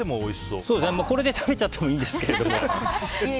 これで食べちゃってもいいんですけど。